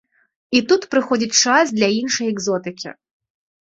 І тут прыходзіць час для іншай экзотыкі.